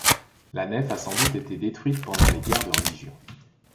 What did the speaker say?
La nef a sans doute été détruite pendant les guerres de religion.